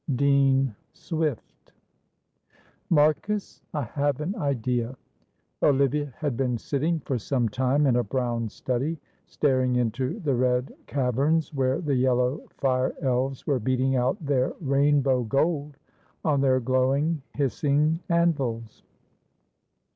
Dean Swift. "Marcus, I have an idea." Olivia had been sitting for some time in a brown study, staring into the red caverns, where the yellow fire elves were beating out their rainbow gold on their glowing, hissing anvils.